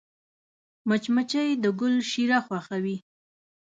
مچمچۍ د ګل شیره خوښوي